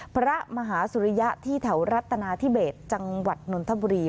พระมหาสุริยะที่แถวรัฐนาธิเบสจังหวัดนนทบุรี